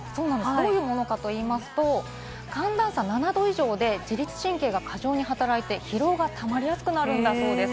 どういうものかと言いますと、寒暖差７度以上で自律神経が過剰に働いて、疲労がたまりやすくなるんだそうです。